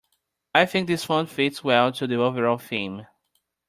I think this font fits well to the overall theme.